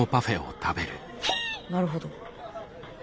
なるほど。